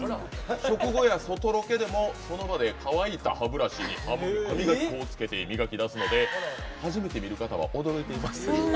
食後や外ロケでもその場で乾いた歯ブラシに歯磨き粉をつけて磨きだすので初めて見る方は驚いています」。